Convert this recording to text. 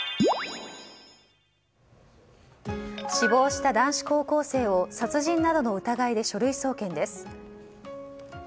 死亡した男子高校生を殺人などの疑いで書類送検です。